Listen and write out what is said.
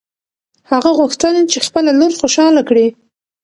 هغه غوښتل چې خپله لور خوشحاله کړي.